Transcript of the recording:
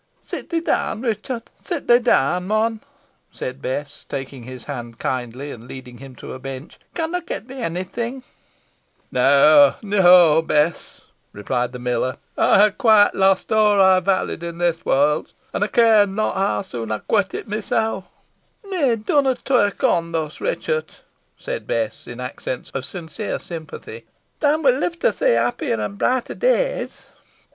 "Sit thee down, Ruchot, sit thee down, mon," said Bess, taking his hand kindly, and leading him to a bench. "Con ey get thee onny thing?" "Neaw neaw, Bess," replied the miller; "ey ha lost aw ey vallied i' this warlt, an ey care na how soon ey quit it mysel." "Neigh, dunna talk on thus, Ruchot," said Bess, in accents of sincere sympathy. "Theaw win live to see happier an brighter days."